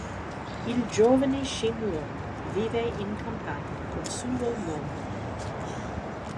Il giovane Shing Lung vive in campagna con suo nonno.